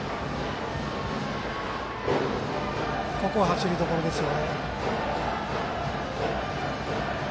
ここは、走りどころですよ。